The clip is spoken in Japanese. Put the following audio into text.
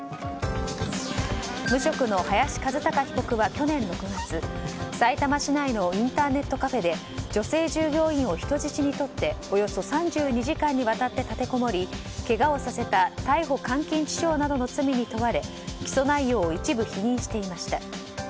無職の林一貴被告は去年６月さいたま市内のインターネットカフェで女性従業員を人質にとっておよそ３２時間にわたって立てこもりけがをさせた逮捕監禁致傷などの罪に問われ起訴内容を一部否認していました。